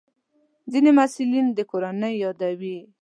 ځینې محصلین د کورنۍ یادوي.